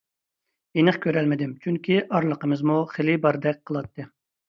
ئېنىق كۆرەلمىدىم، چۈنكى ئارىلىقىمىزمۇ خېلى باردەك قىلاتتى.